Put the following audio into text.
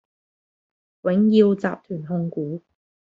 永耀集團控股